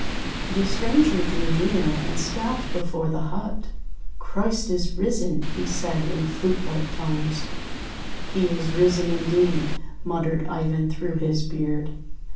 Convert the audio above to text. The stranger drew near, and stopped before the hut. "Christ is risen!" he said in flute like tones. "He is risen indeed!" muttered Ivan through his beard.